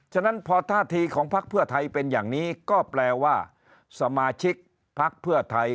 ฉะนั้นพอท่าทีของพักเพื่อไทยเป็นอย่างนี้ก็แปลว่าสมาชิกพักเพื่อไทย